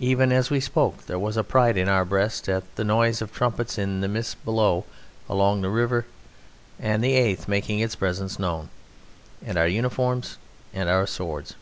Even as we spoke there was pride in our breasts at the noise of trumpets in the mist below along the river and the Eighth making its presence known, and our uniforms and our swords.